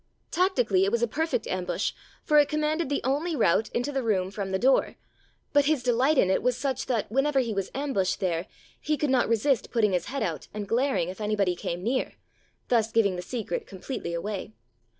Tactically, it was a perfect ambush, for it commanded the only route into the room from the door; but his delight in it was such that whenever he was ambushed there, he could not resist putting his head out and glaring, if anybody came near, thus giving the secret completely away.